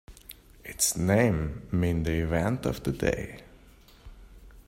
Its name means "The event of the day".